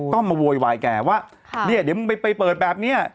ก็มาโวยวายแกว่าเนี่ยเดี๋ยวมึงไปเปิดแบบนี้